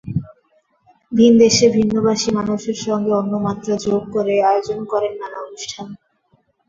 ভিনদেশে ভিন্নভাষী মানুষের সঙ্গে অন্য মাত্রা যোগ করে আয়োজন করেন নানা অনুষ্ঠান।